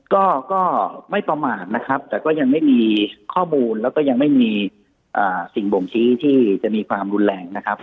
ก็ไม่ประมาทนะครับแต่ก็ยังไม่มีข้อมูลแล้วก็ยังไม่มีสิ่งบ่งชี้ที่จะมีความรุนแรงนะครับ